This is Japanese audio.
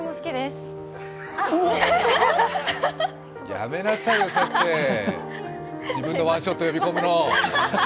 やめなさいよ、そうやって、自分のワンショット呼び込むの。